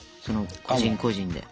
個人個人で。